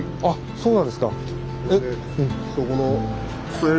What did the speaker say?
そうなんですか。